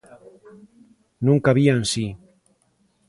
Non cabía en si.